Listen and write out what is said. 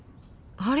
あれ？